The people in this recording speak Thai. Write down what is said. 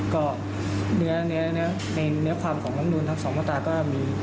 ก็ในในเนื้อความของณุนทั้ง๒มาตราก็มี